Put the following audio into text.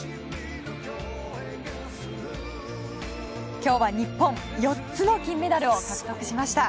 今日は日本４つの金メダルを獲得しました。